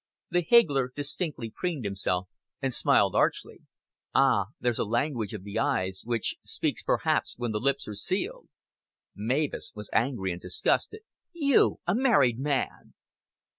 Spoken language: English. The higgler distinctly preened himself, and smiled archly. "Ah, there's a language of the eyes, which speaks perhaps when the lips are sealed." Mavis was angry and disgusted. "You, a married man!"